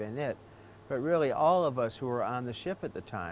tapi sebenarnya semua orang yang di kapal pada saat itu